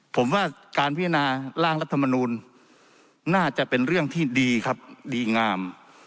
ผมว่าการพิจารณาร่างรัฐมนูลน่าจะเป็นเรื่องที่ดีครับดีงาม